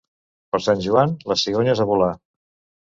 Per Sant Joan, les cigonyes a volar.